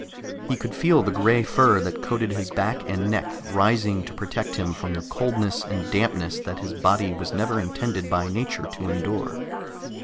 He could feel the gray fur that coated his back and neck rising to protect him from the coldness and dampness that his body was never intended by nature to endure.